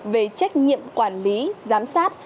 về trách nhiệm quản lý giám sát